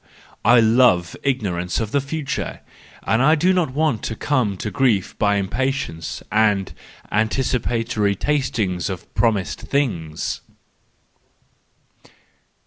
I love ignorance of the future, and do not want to come to grief by impatience and antici¬ patory tasting of promised things."